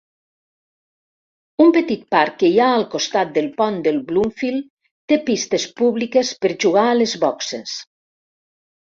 Un petit parc que hi ha al costat del pont de Bloomfield té pistes públiques per jugar a les botxes.